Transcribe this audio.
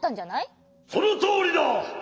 そのとおりだ！